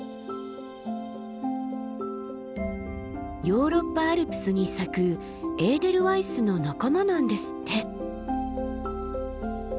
ヨーロッパアルプスに咲くエーデルワイスの仲間なんですって。